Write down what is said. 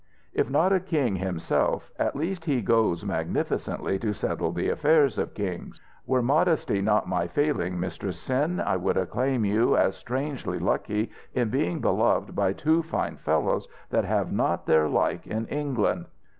If not a king himself, at least he goes magnificently to settle the affairs of kings. Were modesty not my failing Mistress Cyn, I would acclaim you as strangely lucky, in being beloved by two fine fellows that have not their like in England."